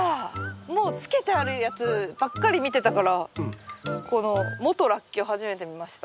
もう漬けてあるやつばっかり見てたからこの元ラッキョウ初めて見ました。